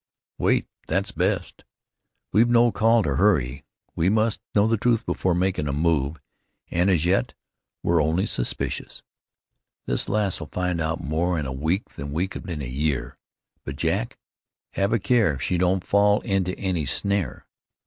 "Wait; that's best. We've no call to hurry. We must know the truth before makin' a move, an' as yet we're only suspicious. This lass'll find out more in a week than we could in a year. But Jack, have a care she don't fall into any snare.